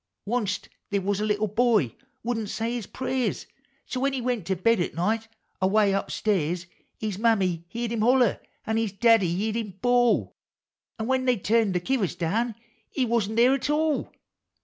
Onc't they was a little boy wouldn't say his prayers, — So when he went to bed at night, away up stairs. His Mammy heerd him holler, an' his Daddy heerd him bawl, An' when they tuin't the kivvers down, he wasn't there at all